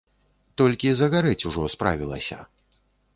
Толькі загарэць ужо справілася.